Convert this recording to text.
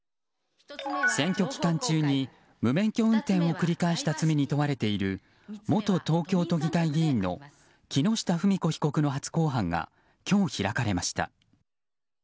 選挙期間中に無免許運転を繰り返した罪に問われている元東京都議会議員の木下富美子被告の初公判が今日、開かれました。